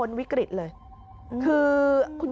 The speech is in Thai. ใช่เลย